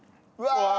うわ！